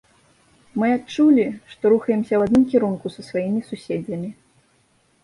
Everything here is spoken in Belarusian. Мы адчулі, што рухаемся ў адным кірунку са сваімі суседзямі.